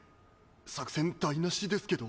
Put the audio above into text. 作戦台なしですけど。